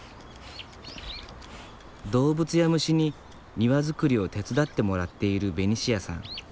動物や虫に庭作りを手伝ってもらっているベニシアさん。